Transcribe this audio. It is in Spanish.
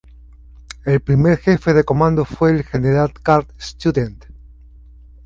El primer jefe de comando fue el General Kurt Student.